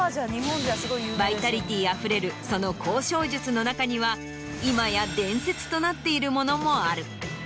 バイタリティーあふれるその交渉術の中には今や伝説となっているものもある。